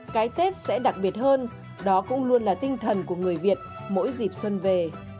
cái tết sẽ đặc biệt hơn đó cũng luôn là tinh thần của người việt mỗi dịp xuân về